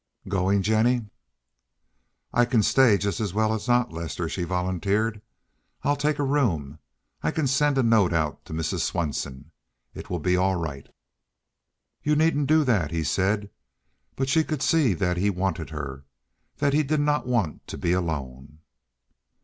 "Going, Jennie?" "I can stay just as well as not, Lester," she volunteered. "I'll take a room. I can send a note out to Mrs. Swenson. It will be all right." "You needn't do that," he said, but she could see that he wanted her, that he did not want to be alone.